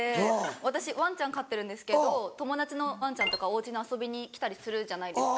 私ワンちゃん飼ってるんですけど友達のワンちゃんとかおうちに遊びに来たりするじゃないですか。